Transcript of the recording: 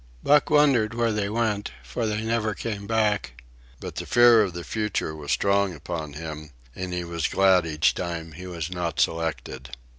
Buck wondered where they went, for they never came back; but the fear of the future was strong upon him, and he was glad each time when he was not selected.